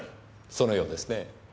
そのようですね。